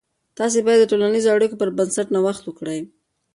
تاسې باید د ټولنیزو اړیکو پر بنسټ نوښت وکړئ.